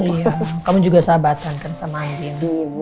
iya kamu juga sahabatan kan sama andin